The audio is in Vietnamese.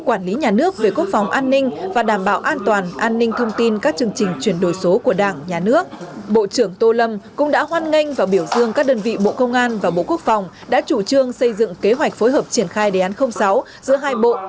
an ninh thông tin các chương trình chuyển đổi số của đảng nhà nước bộ trưởng tô lâm cũng đã hoan nghênh và biểu dương các đơn vị bộ công an và bộ quốc phòng đã chủ trương xây dựng kế hoạch phối hợp triển khai đề án sáu giữa hai bộ